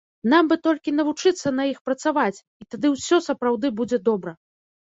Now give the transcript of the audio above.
Нам бы толькі навучыцца на іх працаваць, і тады ўсё сапраўды будзе добра.